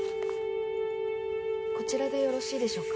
・こちらでよろしいでしょうか？